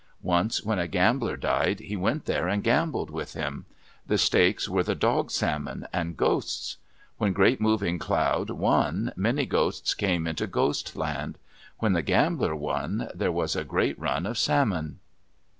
Once when a gambler died, he went there and gambled with him. The stakes were the dog salmon, and ghosts. When Great Moving Cloud won, many ghosts came into Ghost Land. When the gambler won, there was a great run of salmon.